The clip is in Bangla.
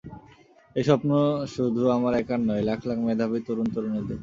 এ স্বপ্ন শুধু আমার একার নয়, লাখ লাখ মেধাবী তরুণ তরুণীদের।